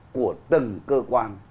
của từng cơ quan